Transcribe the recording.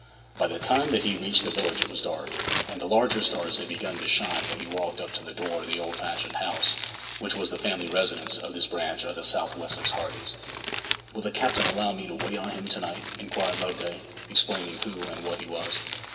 By the time that he reached the village it was dark, and the larger stars had begun to shine when he walked up to the door of the old fashioned house which was the family residence of this branch of the South Wessex Hardys. 'Will the captain allow me to wait on him to night?' inquired Loveday, explaining who and what he was.